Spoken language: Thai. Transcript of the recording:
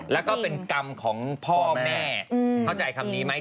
แล้วก็เป็นกรรมของพ่อแม่เข้าใจคำนี้ไหม